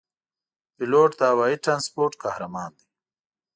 پیلوټ د هوايي ترانسپورت قهرمان دی.